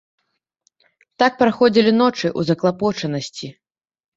Так праходзілі ночы ў заклапочанасці.